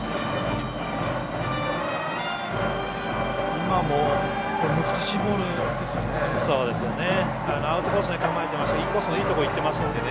今も難しいボールですよね。